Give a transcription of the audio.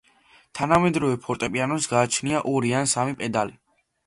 თანამედროვე ფორტეპიანოს გააჩნია ორი ან სამი პედალი.